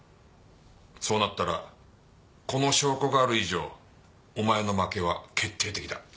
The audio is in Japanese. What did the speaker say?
そうなったらこの証拠がある以上お前の負けは決定的だ。